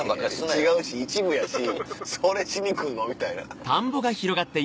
違うし一部やしそれしに来んの？みたいな。